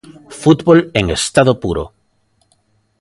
Fútbol en estado puro.